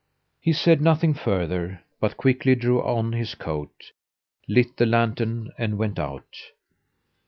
He said nothing further, but quickly drew on his coat, lit the lantern and went out.